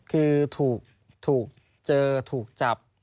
คือถูกเจอถูกจับ